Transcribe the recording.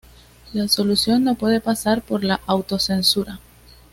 la solución no puede pasar por la auto-censura